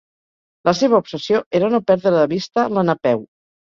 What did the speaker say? La seva obsessió era no perdre de vista la Napeu.